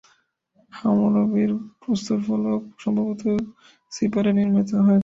হামুরাবির প্রস্তরফলক সম্ভবত সিপার-এ নির্মিত হয়েছিল।